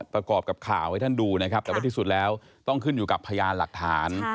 ประกอบกับข่าวให้ท่านดูนะครับแต่ว่าที่สุดแล้วต้องขึ้นอยู่กับพยานหลักฐาน